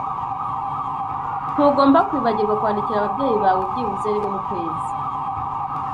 Ntugomba kwibagirwa kwandikira ababyeyi bawe byibuze rimwe mukwezi.